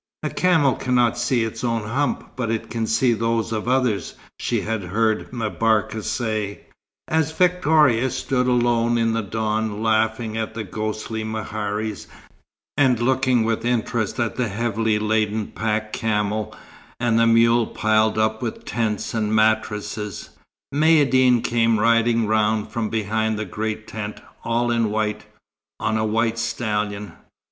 "A camel cannot see its own hump, but it can see those of others," she had heard M'Barka say. As Victoria stood alone in the dawn, laughing at the ghostly meharis, and looking with interest at the heavily laden pack camel and the mule piled up with tents and mattresses, Maïeddine came riding round from behind the great tent, all in white, on a white stallion.